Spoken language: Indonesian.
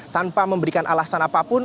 tanpa memberikan alasan apapun